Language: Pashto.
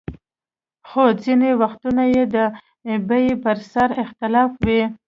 خو ځینې وختونه یې د بیې پر سر اختلاف وي.